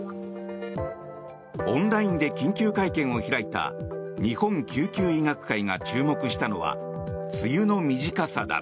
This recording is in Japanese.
オンラインで緊急会見を開いた日本救急医学会が注目したのは梅雨の短さだ。